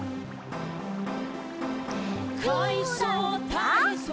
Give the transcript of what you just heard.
「かいそうたいそう」